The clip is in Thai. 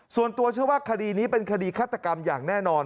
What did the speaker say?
ส่วนตัวเชื่อว่าคดีนี้เป็นคดีฆาตกรรมอย่างแน่นอน